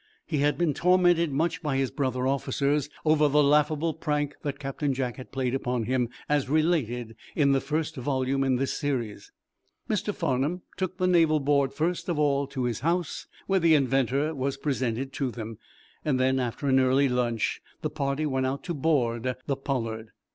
He had been tormented much by his brother officers over the laughable prank that Captain Jack had played upon him, as related in the first volume in this series. Mr. Farnum took the Naval board first of all to his house, where the inventor was presented to them. Then, after an early lunch, the party went out to board the "Pollard."